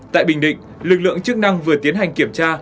tại bình định lực lượng chức năng vừa tiến hành kiểm tra